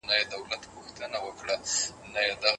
خپل وخت په بې ګټې کارونو مه تېروئ.